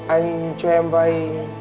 anh cho em vay